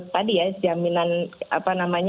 tadi ya jaminan